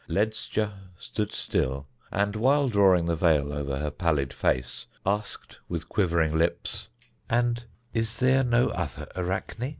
Ledscha stood still, and, while drawing the veil over her pallid face, asked with quivering lips, "And is there no other Arachne?"